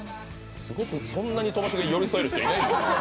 すごくそんなにともしげに寄り添える人いないですよ